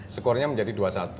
skornya menjadi dua satu